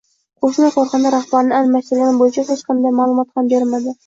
qo‘shma korxona rahbarini almashtirgani bo‘yicha hech qanday ma’lumot ham bermadi.